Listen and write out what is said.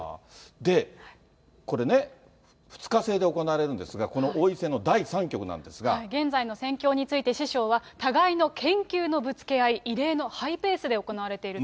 で、これね、２日制で行われるんですが、現在の戦況について、師匠は、互いの研究のぶつけ合い、異例のハイペースで行われていると。